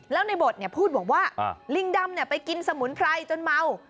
แล้วในบทพูดบอกว่าลิงดำไปกินสมุนไพรจนเมา